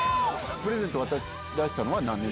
プレゼント渡しだしたのは何６年。